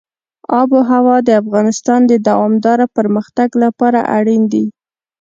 آب وهوا د افغانستان د دوامداره پرمختګ لپاره اړین دي.